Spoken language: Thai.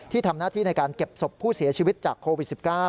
ทำหน้าที่ในการเก็บศพผู้เสียชีวิตจากโควิด๑๙